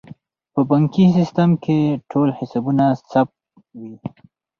په بانکي سیستم کې ټول حسابونه ثبت وي.